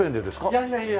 いやいやいや。